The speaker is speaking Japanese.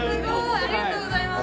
ありがとうございます。